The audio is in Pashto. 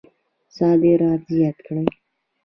صادرات زیات کړئ